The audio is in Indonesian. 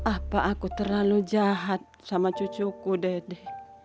apa aku terlalu jahat sama cucuku dede